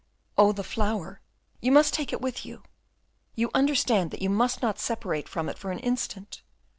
"Oh, the flower! you must take it with you. You understand that you must not separate from it for an instant."